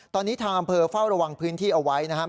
ตอนนี้ทางอำเภอเฝ้าระวังพื้นที่เอาไว้นะครับ